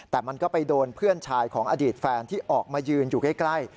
แต่มันก็ไปโดนเพื่อนชายของอดีตแฟนที่ออกมายืนอยู่ใกล้